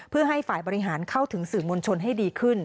เพื่อให้ฝ่ายบริหารเข้าถึงสื่อมวลชนให้ดีขึ้น